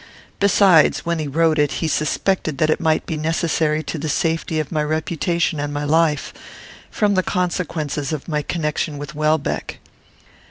Besides, when he wrote it, he suspected that it might be necessary to the safety of my reputation and my life, from the consequences of my connection with Welbeck.